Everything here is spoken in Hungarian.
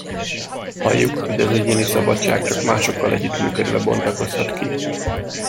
Valljuk, hogy az egyéni szabadság csak másokkal együttműködve bontakozhat ki.